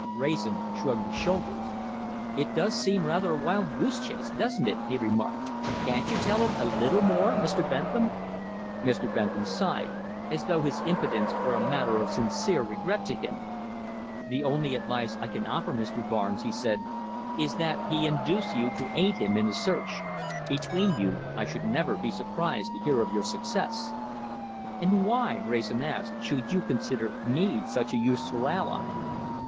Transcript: Wrayson shrugged his shoulders. "It does seem rather a wild goose chase, doesn't it?" he remarked. "Can't you tell him a little more, Mr. Bentham?" Mr. Bentham sighed, as though his impotence were a matter of sincere regret to him. "The only advice I can offer Mr. Barnes," he said, "is that he induce you to aid him in his search. Between you, I should never be surprised to hear of your success." "And why," Wrayson asked, "should you consider me such a useful ally?"